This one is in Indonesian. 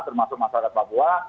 termasuk masyarakat papua